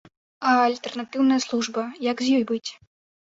А альтэрнатыўная служба, як з ёй быць?